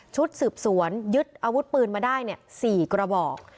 ชุดสืบสวนยึดอาวุธปืนมาได้๔กระบอก